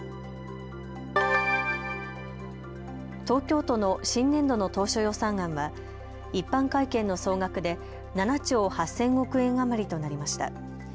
東京都の新年度の当初予算案は一般会計の総額で７兆８０００億円余りとなりました。